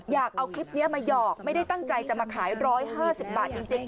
อยากเอาคลิปนี้มาหยอกไม่ได้ตั้งใจจะมาขาย๑๕๐บาทจริง